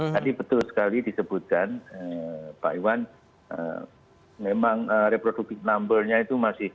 tadi betul sekali disebutkan pak iwan memang reproducting number nya itu masih